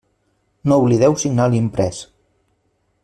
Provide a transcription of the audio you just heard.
No oblideu signar l'imprès.